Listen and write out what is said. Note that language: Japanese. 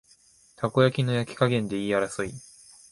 たこ焼きの焼き加減で言い争い